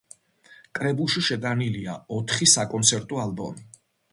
კრებულში შეტანილია ოთხი საკონცერტო ალბომი.